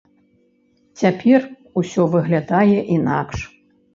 Цяпер усё выглядае інакш.